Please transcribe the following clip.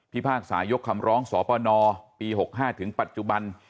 พากษายกคำร้องสปนปี๖๕ถึงปัจจุบัน